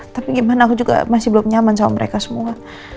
tapi gimana aku juga masih belum nyaman sama mereka semua